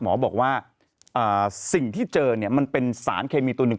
หมอบอกว่าสิ่งที่เจอเนี่ยมันเป็นสารเคมีตัวหนึ่ง